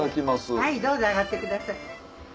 はいどうぞ上がってください。